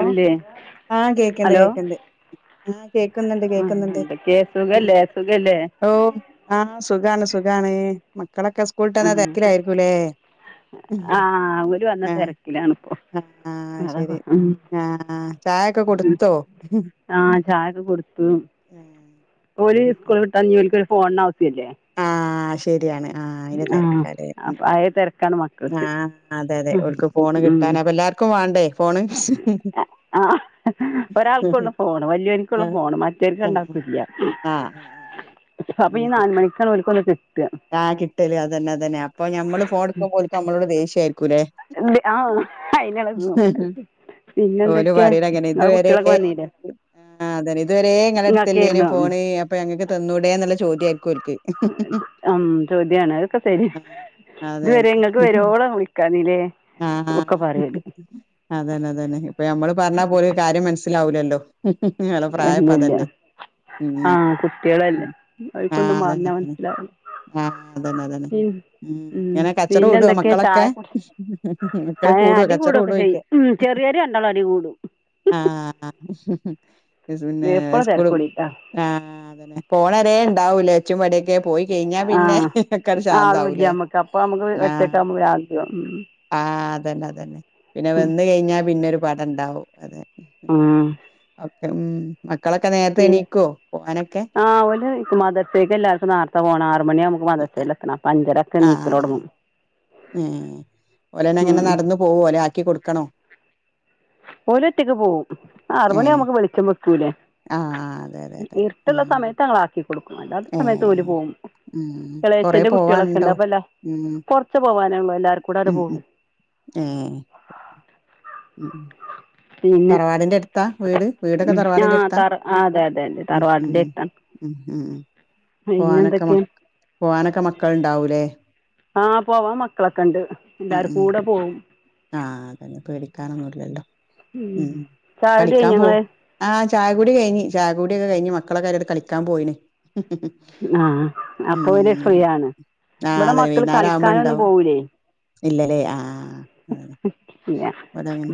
ഓ ല്ലേ ആഹ് കേക്കിണ്ട് ഹലോ കേക്കിണ്ട് ആഹ് കേക്കുന്നിണ്ട് ആ കേക്കുന്നിണ്ട് എന്തൊക്കെ സുഖല്ലേ സുഖല്ലേ ആ ഓ ആ സുഖാണ് സു സുഖാണ് മ ക്കളൊക്ക സ്കൂളിട്ടന്ന തെര്ക്കിലായിരിക്കുല്ലേ ഉം ആ ആ ഓല് വന്ന ആഹ് അ ആഹ് അത് ശെരി ഏഹ് ആ ചായൊക്ക കൊടുത്തു, ഓല് സ്കൂള് വിട്ട് അഞ്ച് മണിക്ക് [unintelligible] ഫോൺനാവശ്യല്ലേ ആ ശരിയാണ് ആഹ് അയിന്റെ ആ തെരക്കാല്ലേ ഉം അപ് അയേ തെരക്കാണ് മക്കക്ക് ആഹ് അതെ അതെ ഉം ഓൽക്ക് ഫോണ് ഉം കിട്ടാന് അപ്പൊ എല്ലാർക്കും വാണ്ടേ ഫോണ് ആ ഒരാൾക്കൊള്ളു ഫോണ് വല്ല്യൊർക്കൊള്ളു ആഹ് ഫോണ് മറ്റോർക്ക് രണ്ടാൾക്കും ആഹ് ഇല്ല്യ, ആഹ് അപ്പൊ ഈ നാല് മണിക്കാണ് ഓൽക്കൊന്ന് [unintelligible] ആ കിട്ട് ട്ടല് അതന്നെ അതന്നെ അപ്പോ ഞമ്മള് ഫോൺ എടുക്കുമ്പോ ഓൽക്ക് ഞമ്മളോട് ദേഷ്യാരി ക്കൂലെ ഇത് ആ അതിനിളകും ഓര് പിന്നെന്തൊക്കെ പറിയിലങ്ങനെയാ ഇത് നിങ്ങളെ വരേ കുട്ടികളൊക്കെ വന്നില്ലേ ആ അതെന്നെ ഇതുവരേ ഇങ്ങളെ അടുത്തല്ലേനോ നിങ്ങൾക്കായിരുന്നു ഫോണ് അപ്പൊ ഞങ്ങക്ക് തന്നൂടെന്നിള്ള [unintelligible] ചോദ്യായ്ക്കൊ ക്ക് ഉം ചോദ്യമാണ് അതൊക്കെ ശരി ആഹ് അതെ ഇതുവരെ തെ നിങ്ങൾക്ക് വരുവോളം വിളിക്കാഞ്ഞില്ലേ ആ ഒക്കെ പറയല് ആ അതന്നെ അതന്നെ ഇപ്പൊ ഞമ്മള് പർഞ്ഞാ പോലും കാര്യം മൻസ്സിലാവൂല [unintelligible] ഇല്യ ഇല്യ ഉം ആഹ് കുട്ട്യളല്ലേ ഉം ആ ഓൽക്കൊന്നും അതന്നെ പറഞ്ഞാ അതന്നെ മൻസ്സിലാവില്ല ആ അതന്നെ അതന്നെ ഉം ങ്ങനെ കച്ചറ കൂടൊ പിന്നെന്തൊക്കെ ചായ മക്കളൊക്കെ കുടി മക്കള് ഏ കൂടൊ അടി കച്ചറ കൂടുവൊക്കെ ചെയ്യും കൂടോയ്ക്കാ ഉം ചെറിയവർ രണ്ടാളും അടി കൂടും ആഹ് സ് പിന്നെ എപ്പോഴും തിരക്ക് സ്കൂളും കൂടിയിട്ടാണ് ആ അതന്നെ പോണെരേ ഇണ്ടാവൂ ലേ ച്ചും പട യെക്കെ പോയി കഴിഞ്ഞാ പിന്നെ ആഹ് ഒക്കട് ശാന്താവൂലേ ആളുല്ല്യ അമ്മക്ക് അപ്പൊ അമ്മക്ക് ഒറ്റക്കാവ്മ്പൊ [unintelligible] ഉം തെന്നെ അതെന്നെ പിന്നെ വന്ന് കയ്ഞ്ഞാ പിന്നെ ഒരു പട് ടണ്ടാവും അതെ ആഹ് ഉം മ പി ആ ഓല് മദർസേക്ക് എല്ലാർക്കും നാർത്തെ പോണം ആറുമണി ആകുമ്പോ മദ്റസലേതണം അപ്പ സനീക്ക [unintelligible] രോടങ്ങും. ങേ ഓലന്നെ അങ്ങനെ നടന്നു പോവ ലെ ആക്കി കൊടുക്കണോ? ഓല്ഒറ്റയ്ക്ക് പോവും ആറ്മണി ഏഹ് ആവുമ്പേക്ക് വെളിച്ചംവെക് ക്കൂലെ ആഹ് അതെ അതെ അതെ ഇരിട്ടുള്ള ഉം സമയത്ത് ഞങ്ങൾ ആക്കി കൊടുക്കും. അല്ലാത്ത സമയത്ത് ഓല് ഏഹ് പോകും. ഉം കൊറെ ഇളേയച്ചന്റെ കുട്ടികളൊക്കെ ഉണ്ട്. പോവാണ്ടോ അപ്പെല്ല, ഉം കൊറച്ച പോവാനാള്ളോ എല്ലാരും കൂടെ അങ്ങ് ഉം ഉം പോകും. ഏഹ് ഉം ഉം പിന്നെ തറവാടിന്റെ അടുത്താ വീട് വീടൊക്കെ ആ തറവാടിന്റെ അടുത്താ തറ ആ അതെ അതെ അതെ വീട് വീടൊക്കെ തറവാടിൻ്റെട്ത തറവാടിൻ്റെ അടുത്താണ് ഉം ഉം ഉം ഉം പിന്നെ പോവാനൊക്കെ എന്തൊക്കെയാണ് മക്ക പോവാനൊക്കെ മക്കളുണ്ടാവുംലേ ആഹ് പോവാ മക്കളൊക്കെ ഉണ്ട്. എല്ലാരുും കൂടെ പോവും. [inaudible] ആഹ അതന്നെ പേടിക്കാനൊന്നുല്ലല്ലോ? ഉം ചായടീകയിഞ്ഞങ്ങളെ ചായകൂടി കഴിഞ്ഞ്ചായകൂടിയക്കെ കഴിഞ് മക്കളെക്കെ അയിലെ കളിക്കാ പോയിനേ, ആഹ് അപ്പൊ ഓല് ഫ്രീ [unintelligible] ആണ് ആ ഇവിടെ അതന് മക്കള് വൈന്നര ആവുമ്പോ കളിക്കാനൊന്നും ഇണ്ടാവും പോവൂലേ ഇന്നില്ലല്ലേ ആ ഉം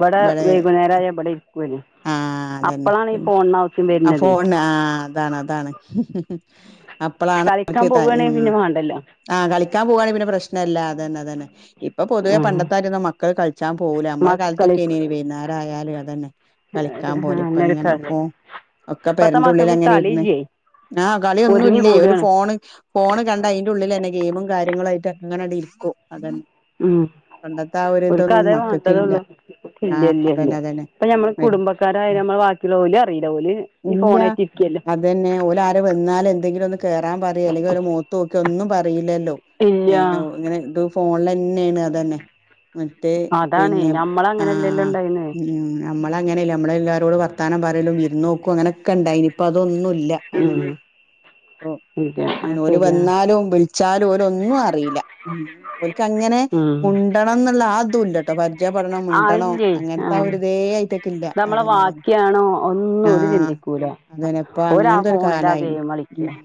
പിന്നെ ഇവിടെ വൈകുന്നേരായാൽ ഇബെ ടീം [unintelligible] ആഹ് അതെന്നെ വരുന്നതേ ആഫോണ്ന് ആഹ് അതാണ് അതാണ് അപ്പളാണ് [unintelligible] കളിക്കാൻ പോവാണെ ഉം പിന്നെ വേണ്ടല്ലോ ആഹ് കളിക്കാൻ പോവാണങ്കി പിന്നെ പ്രശ്നല്ല അതെന്നെ അതെ തന്നെ ഇപ്പൊ പൊതുവെ ആഹ് പണ്ടത്താര്യന്നും മക്കള് കള്ച്ചാൻ പോവുല ഞമ്മളെ മക്കളി കാലത്തൊക്കെയ്നിനി വൈന്നാര യാല് അതെന്നെ അതെ കളിക്കാൻ ആഹ് പോലെ ഇപ്പ അങ്ങനൊരു ഇങ്ങനെ കളി ഫോ ഒക്കെ ഇപ്പത്തെ പേരന്റെള്ളിൽ മക്കൾക്ക് അങ്ങനെ ഇരുന്ന് കളിയില്ലേ ആഹ് കളിയൊന്നും ഒതുങ്ങി ഇല്ലേ ഒരു കൂടാണ് ഫോണ് ഫോണ് കണ്ട അയിന്റെ ഉള്ളിൽനെ ഗെയിമും കാര്യങ്ങളുംയിട്ട് അങ്ങന അങ്റ്റ് ഇരിക്കും. അത ഉം പണ്ടത്തെ ആ ഓൽക്ക് ഒരുരിതൊന്നും അതേ മക്കൾക്കില്ല. വേണ്ടതൊള്ളൂ ആ ഇല്ല ഇല്ല ഇല്ല അതന്നെ അതെന്നേ ഇപ്പൊ ഞമ്മള് കുടുംബക്കാരായ നമ്മളെ ബാക്കിയുള്ള ഓല് അറിയില്ല ഓല് ഈ ഇല്ല, ഫോണായിട്ട് ഇരിക്കല്ലേ അതെന്നെ ഓലാര വന്നാല് എന്തെങ്കിലും ഒന്ന് കേറാൻ പറയേ അല്ലെങ്കി ഒലെ മോത്തൊക്കെ ഒന്നും പറീലെ ല്ലൊ ഓ ഇല്ല [unintelligible] ല് ത് ങ്ങനെ ഫോണില [unintelligible] ന്നെ പിന്നേണ് അതന്നെ മറ്റേ അതാണ് പിന്നെ ഞമ്മള ആ അങ്ങനെല്ലല്ലോ ഉണ്ടായിന്ന് നമ്മളെ നമ്മളെല്ലാരോടും വർത്താനംപറയലും വിര്ന്നോക്കും അങ്ങനൊക്കെണ്ടയിനി ഇപ്പോ അതൊന്നൂല്ല ല്ല ഉം അതന്നെ ഇല്ല അത് ഓല് ശരിയാണ് വന്നാലും വിളിച്ചാലും ഓര് ഒന്നും അറിയില്ല. ഒല്ക്ക്ങ്ങനെ ഉം മുണ്ടണം എന്നുള്ള ആ ഒരു തുല്ലട്ടൊ പാൽ ഇജാ പറ്ണ ആ മിണ്ടണം ഇല്ലേ അങ്ങൻത്ത ആ ഇത് അഒര്തേ അയ്‌റ്റ നമ്മളെ ബാക്കിയാണോ ഒന്നും നമ്മളെ ബാക്കിയാണോ ആഹ് ചിന്തിക്കൂല അതന്നെ ഇപ്പൊ ഓരാ ആ അങ്ങനത്തെ ഒരു ഫോണിൽ ആ കാലായിണ് ഗെയിം കളിക്ക ഉം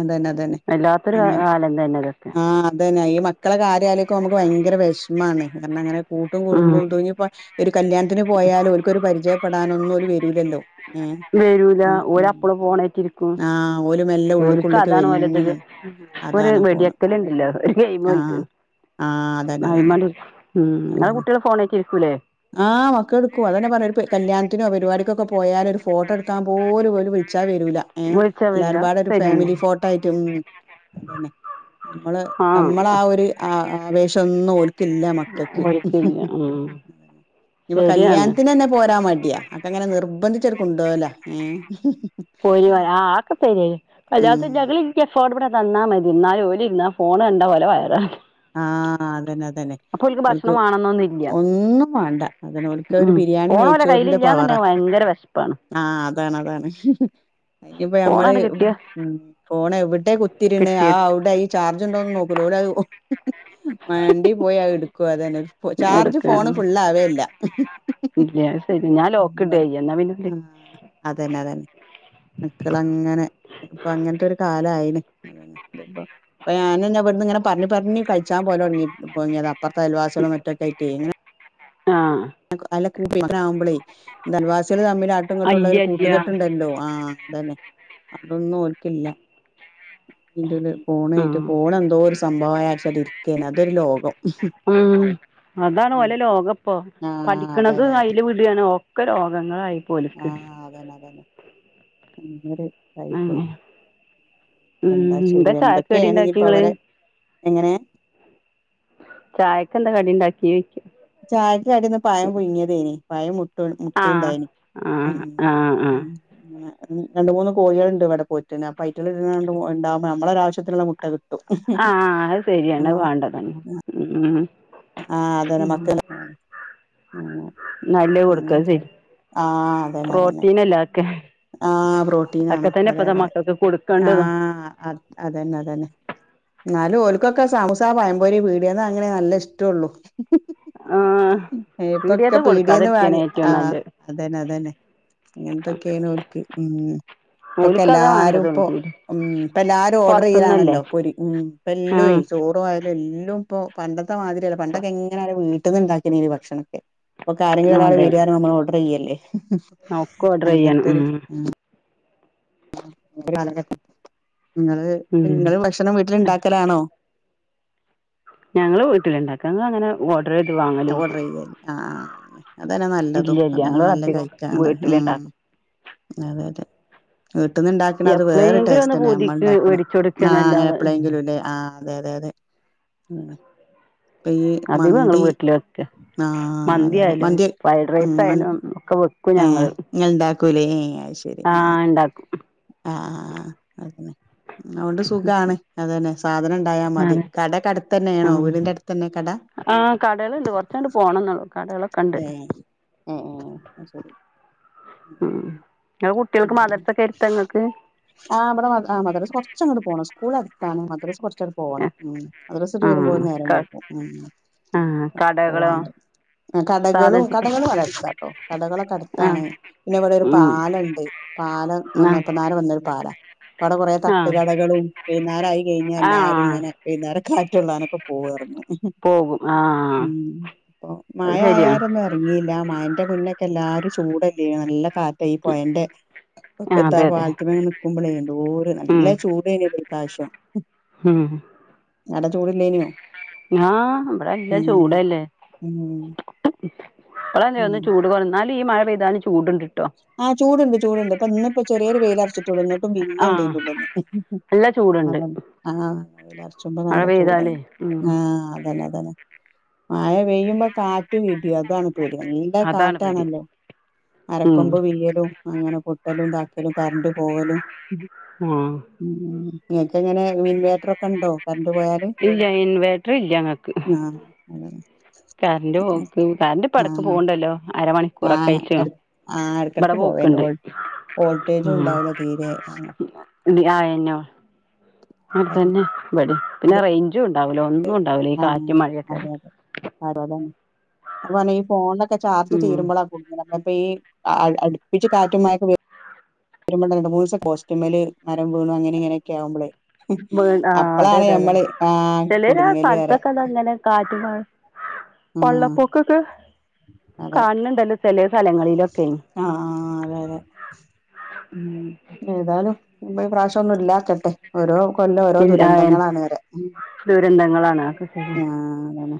അതന്നെ അതന്നെ വല്ലാത്തൊരു കാലം തന്നെ ഇതൊക്കെ പിന്നെ ഈ മക്കളെ കാര്യം നമുക്ക് ഭയങ്കര വിഷമം മാണ് കാരണം അങ്ങനെ കൂട്ടും ഉം കുടുംബവും തോങ്ങിയപ്പോ ഒരു കല്യാണത്തിന് പോയാലുംക്കൊ ഒരു പരിചയപ്പെടാനൊന്നും ഒരു വരൂല ഓരു അപ്പള് ഫോൺ ആയിട്ട് ആഹ് ഓല് മെല്ലെ വരൂല ഓല് അപ്പയും ഫോൺ ആയിട്ട് ഇരിക്കും ഒരിക്ക് ഉള്ള്ക്കുള്ള്ക്ക് അതാണ് വലുത് വലിഞ്ഞ് നി ഇപ്പൊ ഒരു അതാണ് ഫോണ് വെടിവെയ്ക്കല് ഉണ്ടല്ലോ ഒരു ഗെയിം ആഹ് ആഹ് അതന്നെ അതന്നെ പോല ഇങ്ങടെ അതന്നെ കുട്ടികൾ ഫോണായിട്ട് ല്ലേ ആഹ് മക്കെടുക്കുവ അതന്നെ പരിപാടി ഒരു കല്യാണത്തിനോ പരിപാടി ഒക്കെ പോയാൽ ഒരു ഫോട്ടോ എടുക്ക എടുക്കാൻ പോലും ഓരു വിളിച്ചാ വരൂല ഏഹ വിളിച്ചാ വരില്ല എല്ലാരുംകൂടെ ഒരു ശരിയെന്നെ ഫാമിലി ഫോട്ടോ ആയിട്ടും നമ്മള് നമ്മള ആഹ് ആ ഒരു വേശം ഒന്നും വരത്തില്ല ആ ഇപ്പ കല്യാണത്തിന് തന്നെ പോരാൻ മേടിയാ അക്ക അങ്ങനെ നിർബന്ധിച്ചവരെ കൊണ്ടോല ഏ പോയി ആക്കെ ശരി എല്ലാ ഉം ഞങ്ങളിങ്ങനെ ഫോർഡ് തന്നാൽ മതി എന്നാല് ഫോണ് കണ്ട ഓ ലെ വയറനറയും ആഹ അതന്നെ അതന്നെ ഓരിക്ക് ഭക്ഷണം വേണന്നൊന്നുല്ല ഒന്നും വേണ്ട അതാണ് ഉം ഫോണ് ഓലെ കയ്യിലില്ലാന്നുണ്ടെങ്കി ഭയങ്കര വെശപ്പാണ് അതാണ് ഇപ്പോ മ്മള് ഫോണാണ്ട് കിട്ടിയ ഫോൺ എവിടെ കുത്തിടുന്ന് ആ കിട്ടിയ അവിടെ ഈ ചാർജ ണ്ടോന്ന് നോക്കലോ മണ്ടി പോയി അതെടുക്കും ചാർജ് ഫോൺ എടുക്കാണ് ഫുൾ അവെല്ല ഇല്ല അത് ശരി ഞാൻ ലോക്ക് ഇട ചെയ്യാ എന്നാ പിന്നെ ഓല് [unintelligible] ഇപ്പ ഞാനിന്ന് വിടുന്ന് ഇങ്ങനെ പറഞ്ഞ പറഞ്ഞെ കഴിച്ചൻ പോവല്ലേ [unintelligible] അപ്പറത്തു അൽവാസികളും മറ്റൊക്കെ ആയിട്ട് ഇങ്ങനെ ആ പിന്നെ ആമ്പളെ അയൽവാസികൾ തമ്മിൽ അങ്ങോട്ടും ഇങ്ങോട്ടുള്ള ഒരു അയ്യ ഇല്ല്യ കൂട്ടുകെട്ടുണ്ടല്ലോ ആ അതന്നെ അതൊന്നും ഓല്ക്കില്ല [unintelligible] ഫോൺ ആയിട്ട് ആഹ് ഫോൺ എന്തോ ഒരു സംഭവം ആയാ [unintelligible] അതന്നെ അതൊരു ലോകം ഉം അതാണ് വലിയ ലോകംപ്പം ആഹ് അതെ പഠിക്കണത് അതെ അതെ അയിൽ വിടിയണോ ഓ ഒക്കെ രോഗങ്ങളായി ആഹ് അതന്നെ അതന്നെ ഉം അതെ ഉം ഉം ഉം എന്താ ചെയ്യ ചായക്ക് കടി എന്തൊക്കെയാണ് ഉണ്ടാക്കി ഇനിയിപ്പോ നിങ്ങള് അവരെ എങ്ങനെ ചായക്ക് എന്താ കടിണ്ടാക്കി കെ പയം മു മു ആഹ് മുട്ടിയണ്ടായിന് ഉം ആഹ് ആഹ് ആഹ് അങ്ങനെ ഉ രണ്ട് മൂന്ന് കോഴികളുണ്ട് ഇവിടെ പോറ്റന് അപ്പ അറ്റണ്ടാവുമ്പോ നമ്മള ഒരു ആാവശ്യത്തിനുള്ള മുട്ട ആഹ് അത് ശരിയാണ് അത് വേണ്ടതന്നെ ഉം ഉം ആഹ് അതന്ന മക്ക നല്ല കൊടുക്ക സേ പ്രോട്ടീൻ അല്ലെ അതെക്കെ ആ പ്രോട്ടീന ആണ് അതെ അതെ മക്കൾക്ക് കൊടുക്കണ്ടതും ആഹ് അതന്നെ അതന്നെ എന്നാലും ഓലക്കൊക്കെ സമൂസ പഴംപൊരി പീടിയെന്ന് വാങ്ങണ നല്ല ഇഷ്ടമുള്ളു ആഹ് ഇപ്പൊക്കെ പീടിയേത്തെ പീടിയന്ന് കൊടുക്കാതിരിക്കാണ് വാങ്ങി ആ ഏറ്റവും നല്ലത് അതന്നെ അതന്നെ ഇങ്ങനത്തൊ [unintelligible] ഉം ഇപ്പൊക്കെ ഓൽക്ക് അതാ എല്ലാരും വേണ്ടത് ഇപ്പ പീടിക ഉം ഇ എല്ലാരും ഓർഡർ പുറത്തുന്നല്ലേ ചെയ്യലാണല്ലോ പൊരി ഉം ഇ ആ എല്ലോ ചോറും ആയാല് എല്ല ഇപ്പോ പണ്ട മാതിരിയല്ല പണ്ടൊക്കെ എങ്ങന വീ ടിന്നെ ഉണ്ടാക്കണിനി ഒരു ഭക്ഷണൊക്കെ ഇപ്പ ഒരാളെ അതെ വരാന്നെ പറയുമ്പോ നമ്മൾ ഓർഡർ ചെയ്യല്ലേ അ ഒക്കെ ഓർഡർ ചെയ്യണം ഉം അങ്ങനത്തൊര് ആ ആ [unintelligible] ങ്ങള് ഉം ങ്ങള് ഭക്ഷണം വീട്ടില്ണ്ടാക്കലാണോ ഞങ്ങള് വീട്ടില്ണ്ടാക്ക ങ്ങളെങ്ങനെ ഓർ ആ ഓർഡറെയ്യെല് ആഹ് [unintelligible] അതന്നെ ഇല്ല നല്ലതും ഇല്ല അതന്നെ ഞങ്ങൾ നല്ല അധികം കഴിക്കാ അതന്നെ ഉം വീട്ടിലുണ്ടാക്കും അതേതെ വീട്ടിന്ന്ണ്ടാക്കണ അത് വേറെ എപ്പോഴെങ്കിലും ഒന്ന് ടേസ്റ്റന്നെ നമ്മൾ പൂതിക്ക് ഇണ്ടാക്കണ മേടിച്ചു ആ അങ്ങനെ കൊടുക്കുകയെന്നല്ലാതെ എപ്പോളെങ്കിലുല്ലേ ആ അതെ അതെ അതെ ഉം അധികും ഞങ്ങള് വീട്ടില് വെക്ക ആഹ് അതെ മന്തി അതെ ആയാലും ഫ്രൈഡ് ഉം മൻ റൈസായാലും ഒക്കെ വെക്കും ഞങ്ങള് ക്കുലെ ആഹ് ണ്ടാക്കും ആഹ് അത് തന്നെ അതോണ്ട് സുഖാണ് അത് തന്നെ സാധനം ഇണ്ടായാ മതി അതെ ആ കടക്കടുത്തന്നേണോ വീടിന്റെ അടുത്തന്നെ കട ആ കടകളുണ്ട് കുറച്ചങ്ങോട്ട് പോകണം എന്നുള്ളൂ കടകളൊക്കെ ഉണ്ട് ഏയ് ഏ ഏ അഹ്ശരി ഉം നിങ്ങളെ കുട്ടികൾക്ക് ഉം മദ്രസയൊക്കെ എടുത്താ നിങ്ങൾക്ക് ആ വ്ടെ മ ആ മദ്രസ്സ് കൊറ്ച്ചങ്ങോട്ട് പോണം സ് സ്കൂളട്ത്താണ് മദ്രസ് കൊറ് ച്ച് പോണം ഉം മദ്രസ്സെട്ട് വരുമ്പോ ആ ക നേരംവൈകും ഉം ആ കടകളോ പോവാണ്ട് കടക്കളു സാധനത്തിന് കടക്കളും ആടെ അട്ത്താട്ടൊ കടക്കളൊക്കെ ആ അട്ത്താണ്. പിന്നെ ഇവിടൊരു ഉം പാലണ്ട് ആ പാലംന്നെറ്ഞ്ഞ ഇപ്പന്നാരെ വന്നെ പാലാ പ്പാടെ കൊറേ ആ തട്ടുകടകളും വൈന്നേരായി കഴിഞ്ഞാൽ ആ എല്ലാരും ഇങ്ങനെ വൈന്നാരൊക്കെ കാ റ്റ് കൊള്ളാനൊക്കെ പോവായിരുന്നു പോകും ആ ഉം അപ്പൊ മഴ അത് ശരിയാണ് ആയാരൊന്നും ഒരുങ്ങീല്ല മഴന്റെ മുന്നേ [unintelligible] എല്ലാരും ചൂടല്ലെ നല്ല കാറ്റെ ഈ പൊഴന്റെ ആ വക്കത്താ അതെ അതെ പാലാത്തിമ്മൽ നിക്കുമ്പളേ എന്തൊരു നല്ല ഉം ചൂടേനിയോല്ലേ പ്രാവശ്യം ഉം നല്ല ചൂടില്ലെനിയോ ആ ഇവിടെ നല്ല ചൂടല്ലേ ഉം ഇ [inaudible] ഇപ്പോള ഒന്ന് ചൂട് കുറഞ്ഞാ എന്നാലും ഈ മഴ പെയ്‌താല് ആഹ് ചൂടുണ്ട് ചൂടുണ്ട് ഇപ്പൊ ഇന്നു ഇപ്പ ചെറിയൊരു വെയില തുടന്നിട്ടും പിന്ന ആ ഉണ്ടേര്ന്ന് നല്ല ചൂടുണ്ട് അതാ വെയിലറച്ചുമ്പോ മഴ നല്ല ചൂടായി പെയ്താലേ ഉം ആ അതല്ല മയ പെയ്യുമ്പോ കാറ്റ് ഇടിം അതാണ് ടിം നല്ല അതാണ് പേടി കാറ്റാണല്ലോ ഉം മരക്കൊമ്പ് വീയലും അങ്ങനെ പൊട്ടലും താക്കലും കരണ്ട് പോവലും ആ ഉം നിങ്ങക്കെങ്ങനെ ഇൻവേറ്റർ ഒക്കെണ്ടോ ഇല്ല ഇൻവേർട്ടർ ഇല്ല ഞങ്ങക്ക് അതാ കറന്റ് പോക്ക് കറണ്ട് എടക്ക് പോവുണ്ടല്ലോ അരമണി ആ ആ എടക്കടക്ക് പോവേണ്ട് പോക്ക്ണ്ട് വോൾട്ടേജും ഉം ഉണ്ടാവൂല തീരെ ആയെന്നെ അതെ അതന്നെ പിന്നെ റേഞ്ചും ഉണ്ടാവൂലാ ഒന്നും ണ്ടാവൂലെ ഈ കാറ്റും മഴയൊക്കെ അപനേ ഫോണൊക്കെ ചാർജ് ഉം തീരുമ്പളാ കുത്തണ അപ്പൊ ഈ അടുപ്പിച്ച് കാറ്റുമഴയൊക്കെ വരുമ്പ രണ്ട് മൂന്ന് ദിവസ പോസ്റ്റ്‌മേല് മരം വീണ് അങ്ങനെ ഇങ്ങനെയൊക്കെ ആവുമ്പളേ വേ ആ അതെ അപ്പളാണ് തെ തെ ഞമ്മള് ആഹ് ചിലര് ആ കുടുങ്ങല് പറയാ സ്ഥലത്തൊക്കെ അതങ്ങനെ കാറ്റ് പിന്ന ആഹ് വള്ളപ്പൊക്കൊക്കെ അതെ കാണണ്ടല്ലോ ചില സ്ഥലങ്ങളിലൊക്കെ ആഹ് ഉം ഏതാലും പ്രാവിശ് ഒന്നും ഇല്ലാക്കട്ടെ ഓരോ കൊല്ലം ഓരോ ഇല്ല ദുരന്തങ്ങളാണ് വരെ ദുരന്തങ്ങളാണ് അതൊക്കെ ശരിയാ ആ അതാണ്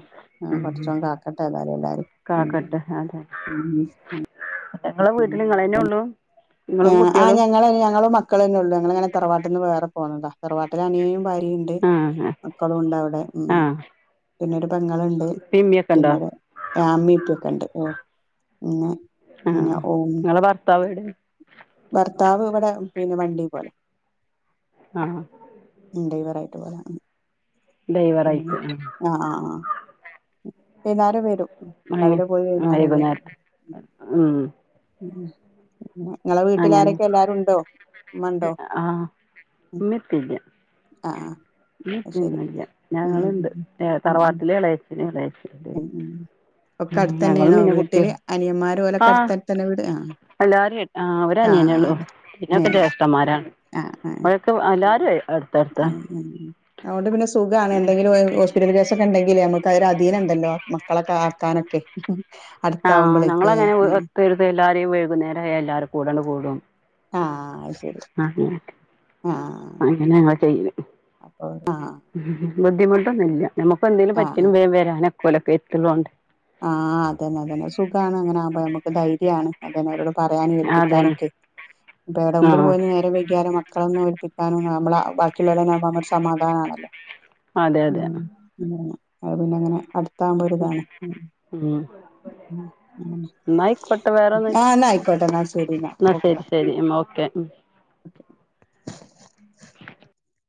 ഉം പടച്ചോൻ കാക്കട്ടെ ഏതാലും എല്ലാരേം ഉം കാക്കട്ടെ അതെ ഉം നിങ്ങളെ വീട്ടില് നിങ്ങളെന്നെ ഉള്ളൂ ആ നിങ്ങളും ആ കുട്ടികളും ഞങ്ങള ഞങ്ങള മക്കളന്നെ ഉള്ളു ഞങ്ങളങ്ങനെ തറവാട്ടിൽന്ന് വേറെ പോന്നതാ തറവാട്ടിൽ അനിയനും ഭാരൃ കുട്ടിണ്ട് ആഹ് മക്കളും ഉണ്ട് അവിടെ ഉം ആഹ് പിന്നൊരു പെങ്ങളുണ്ട് ഇപ്പി ഇമ്മിയൊക്കെ ഉണ്ടോ പിന്നൊരു മീറ്റയൊക്കെ ഉണ്ട് ഓ പിന്നെ ആ പിന്നെ ഓം നിങ്ങളെ ഭർത്താവ് എവ്ടെ ഭർത്താവ് ഇവിടെ പിന്നെ വണ്ടി പോലെ ആ ഡ്രൈവറായിട്ട് പോണ് ഡ്രൈവറായിട്ട് വൈന്നേരം വരും ഉം ആ രാവിലെ പോയി വൈകുന്നേരം വരും വൈകുന്നേരത്തെ ഉം ഉം പിന്നെ നിങ്ങളെ വീട്ടിൽ അങ്ങനെ ആരൊക്കെ എല്ലാരും ഉണ്ടോ ഉമ്മ ഉണ്ടോ ആ ഉം ഉമ്മയും ഉപ്പയില്ല ആ ആ ഉമ്മയും അത് ഉപ്പ ശരി ഒന്നും ഇല്ല ഉം ഉം ഞങ്ങളുണ്ട് ഉം ഉം തറവാട്ടില് ഇളയച്ചൻ ഇളയച്ചി ഉണ്ട് ഉം ഉം ഉം ഒക്കെ അടുത്ത് തന്നെയണോ വീട്ടില് അനിയന്മാര് പോലൊക്കെ ആഹ് അടുത്ത എല്ലാരും ആ ഒരു അനിയന്നോള്ളൂ ഏ പിന്നൊക്കെ ജ്യേഷ്ഠന്മാരാണ് അവരക്ക് എല്ലാരും ഒരേ ഉ അതുകൊണ്ട് പിന്നെ സുഖാണ് എന്തെങ്കിലും ഹോസ്പിറ്റൽ കേസൊക്കെ ക്കെ ഉണ്ടെങ്കിൽ നമുക്ക് ഒരു അധീനം ഉണ്ടല്ലോ മക്കളൊക്കെ ആക്കാനൊക്കെ ആഹ അടുത്താവുമ്പോളേ ല്ലേ ഞങ്ങൾങ്ങനെ ഉം ഒത്തരുത് എല്ലാരെയും വൈകുന്നേരം ആയാൽ എല്ലാരും കൂടേയങ് കൂടും ആഹ ആ അങ്ങനെ ഞങ്ങൾ ചെയ്യ അപ്പൊ ആഹ ബുദ്ധിമുട്ടുന്നില്ല നമുക്ക് എന്തേങ്കും പറ്റിയ വേഗം വരാനോക്കെ ഓലൊക്കെ എടുത്തുള്ളൊണ്ട് ആഹ് അതന്നെ അതന്നെ സുഖമാണ് അങ്ങനെകുമ്പോ നമുക്ക് ധൈര്യമാണ് അതന്നെ അവരോട് പറയാനും അതന്നെ ഏൽപ്പിക്കാനൊക്കെ ഇപ്പൊ എവിടെയെങ്കിലും ആഹ് പോയ നേരം വൈകിയാലോ മക്കളൊന്നും ഏലപ്പിക്കാൻ കാരണം നമ്മള ബാക്കിയുള്ളോർ ആകുമ്പോൾ നമുക്ക് ഒരു സമാധാനമാണല്ലോ അതെ ഉ അതെ പിന്നെ അങ്ങനെ അടുതാവുമ്പോ ഒരു ഇതാണ് ഉ ഉം എന്ന ആയിക്കോട്ടെ വേറെ ഒന്ന് ഇല്ല ആഹ് എന്നാ ആയിക്കോട്ടെ എന്നാ ശരി എന്നാ എന്ന ശരി ശരി ഓക്കെ ഒക്കെ [inaudible]